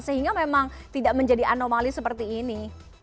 sehingga memang tidak menjadi anomali seperti ini